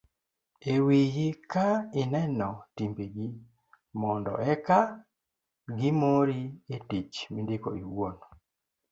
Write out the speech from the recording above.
e wiyi ka ineno timbegi mondo eka gimori e tich mindiko iwuon